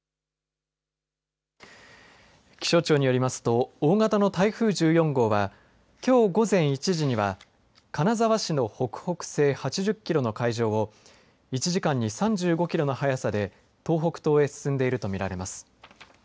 気象庁によりますと大型の台風１４号はきょう午前１時には金沢市の北北西８０キロの海上を１時間に３５キロの速さで東北東へ進んでいると見られます。